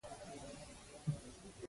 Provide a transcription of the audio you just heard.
موټر د دوستۍ سفرونه اسانه کوي.